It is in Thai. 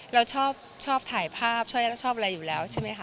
เราชอบถ่ายภาพชอบอะไรอยู่แล้วใช่ไหมคะ